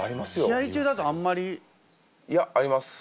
試合中だとあんまり？いやあります！